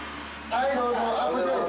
はいどうぞ。